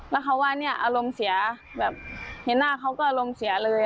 แล้วเขาว่าเนี่ยอารมณ์เสียแบบเห็นหน้าเขาก็อารมณ์เสียเลย